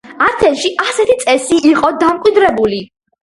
ათენში ასეთი წესი იყო დამკვიდრებული.